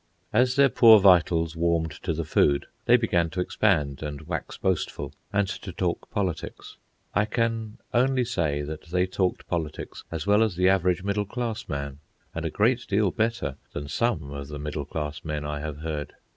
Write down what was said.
As their poor vitals warmed to the food, they began to expand and wax boastful, and to talk politics. I can only say that they talked politics as well as the average middle class man, and a great deal better than some of the middle class men I have heard.